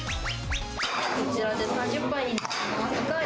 こちらで３０杯になります。